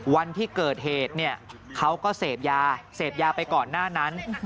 วันที่เกิดเหตุเนี่ยเขาก็เสพยาเสพยาไปก่อนหน้านั้น